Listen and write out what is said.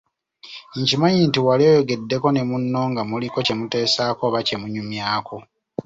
Nkimanyi nti wali oyogeddeko ne munno nga muliko kye muteesaako oba kye munyumyako.